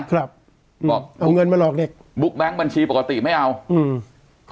ครับเอาเงินมาหลอกเนี่ยบุ๊กแบงค์บัญชีปกติไม่เอาอืม